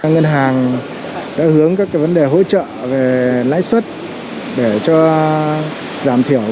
ngân hàng đã hướng các vấn đề hỗ trợ về lãi xuất để cho giảm thiểu